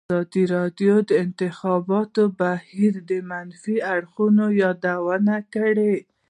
ازادي راډیو د د انتخاباتو بهیر د منفي اړخونو یادونه کړې.